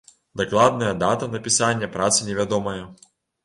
Дакладная дата напісання працы невядомая.